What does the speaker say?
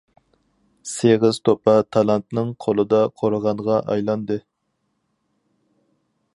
سېغىز توپا تالانتنىڭ قولىدا قورغانغا ئايلاندى.